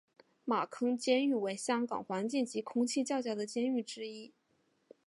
马坑监狱为香港环境及空气较佳的监狱之一。